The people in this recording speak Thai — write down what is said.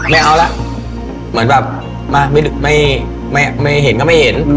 ไม่เอาละเหมือนแบบมาไม่เห็นก็ไม่เห็น